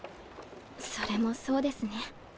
それもそうですね。